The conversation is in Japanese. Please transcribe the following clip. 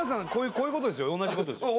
こういうことでしょ同じことでしょ？